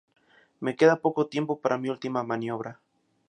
Me queda poco tiempo para mi última maniobra...